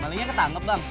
malingnya ketangkep bang